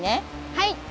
はい！